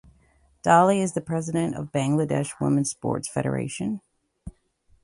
Dolly is the President of Bangladesh Women Sports Federation.